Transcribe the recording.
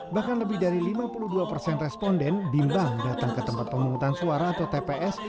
bahkan lebih dari lima puluh dua persen responden bimbang datang ke tempat pemungutan suara atau tps